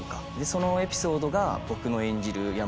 そのエピソードが僕の演じる山姥